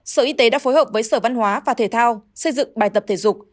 sở y tế đã phối hợp với sở văn hóa và thể thao xây dựng bài tập thể dục